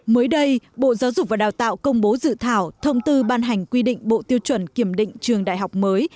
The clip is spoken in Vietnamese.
mới đây bộ giáo dục và đào tạo công bố dự thảo thông tư ban hành quy định bộ tiêu chuẩn kiểm định trường đại học mới